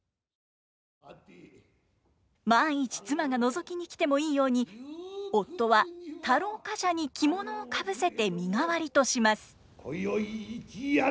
万一妻がのぞきに来てもいいように夫は太郎冠者に着物をかぶせて身代わりとします。